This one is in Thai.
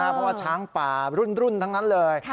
เพราะว่าช้างป่ารุ่นทั้งนั้นเลย